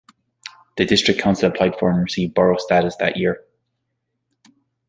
The district council applied for and received borough status that year.